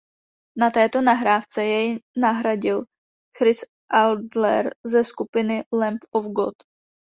Na této nahrávce jej nahradil Chris Adler ze skupiny Lamb of God.